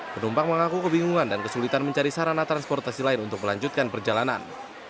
penumpang mengaku kebingungan dan kesulitan mencari sarana transportasi lain untuk melanjutkan perjalanan